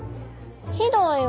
ひどいわ。